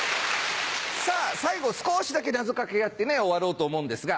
さぁ最後少しだけ謎掛けやって終わろうと思うんですが。